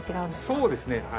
そうですね。